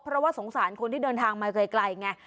เพราะว่าสงสารคนที่เดินทางมาไกลไง